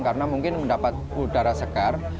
karena mungkin mendapat udara segar